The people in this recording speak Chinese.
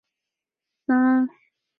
僧孺是隋代仆射牛弘的后代。